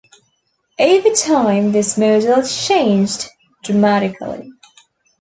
Over time this model changed dramatically.